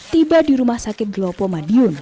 tiba di rumah sakit gelopo madiun